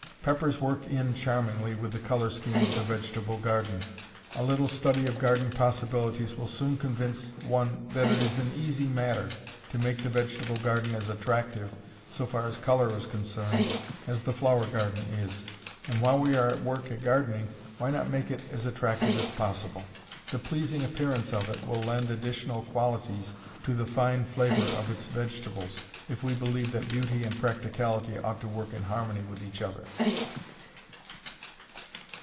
Peppers work in charmingly with the colorscheme of the vegetable garden. A little study of garden possibilities will soon convince one that it is an easy matter to make the vegetable garden as attractive, so far as color is concerned, as the flower garden is. And while we are at work at gardening, why not make it as attractive as possible? The pleasing appearance of it will lend additional qualities to the fine flavor of its vegetables if we believe that beauty and practicality ought to work in harmony with each other.